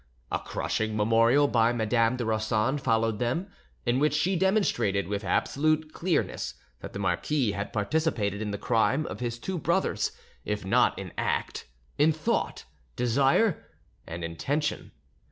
A crushing memorial by Madame de Rossan followed them, in which she demonstrated with absolute clearness that the marquis had participated in the crime of his two brothers, if not in act, in thought, desire, and intention.